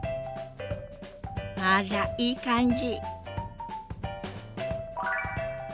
あらいい感じ。